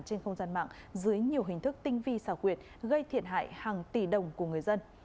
trên không gian mạng dưới nhiều hình thức tinh vi xảo quyệt gây thiệt hại hàng tỷ đồng của người dân